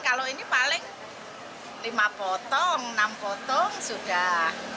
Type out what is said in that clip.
kalau ini paling lima potong enam potong sudah